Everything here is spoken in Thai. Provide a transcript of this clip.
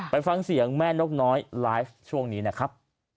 ไปฟังเสียงแม่นกน้อยไลฟ์ช่วงนี้นะครับ